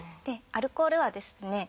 アルコールはですね